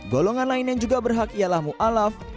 golongan lain yang juga berhak ialah mu alaf